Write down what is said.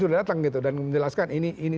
sudah datang gitu dan menjelaskan ini